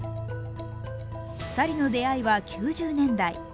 ２人の出会いは９０年代。